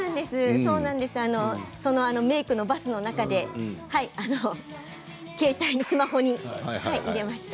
メークのバスの中で携帯のスマホに入れました。